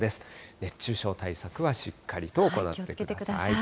熱中症対策はしっかりと行ってください。